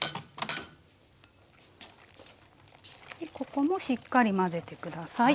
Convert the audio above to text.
ここもしっかり混ぜて下さい。